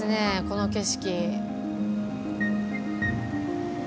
この景色。